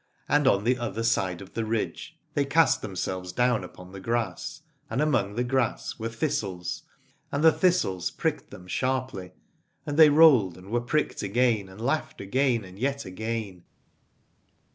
And on the other side of the ridge they cast themselves down 9 Aladore upon the grass, and among the grass were thistles, and the thistles pricked them sharply, and they rolled and were pricked again, and laughed again and yet again.